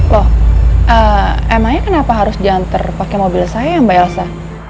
loh emangnya kenapa harus dianter pakai mobil saya mbak yelza